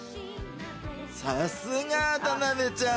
さすが田辺ちゃん。